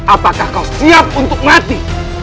apakah kau siap untuk mati